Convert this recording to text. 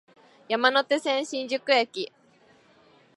山手線、新宿駅